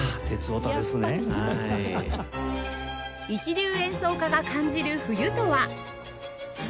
一流演奏家が感じる冬とは？